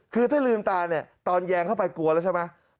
คือถ้าลืมตาเนี่ยตอนแยงเข้าไปกลัวแล้วใช่ไหม